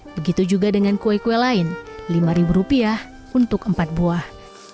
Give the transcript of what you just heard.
begitu juga dengan kue kue lain rp lima untuk empat buah